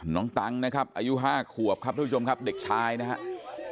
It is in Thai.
ตังนะครับอายุ๕ขวบครับทุกผู้ชมครับเด็กชายนะครับ